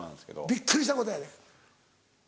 びっくりしたことやで。